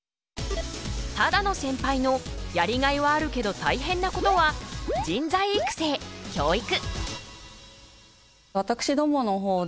只野センパイのやりがいはあるけど大変なことは人材育成・教育。